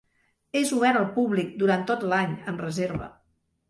És obert al públic durant tot l'any amb reserva.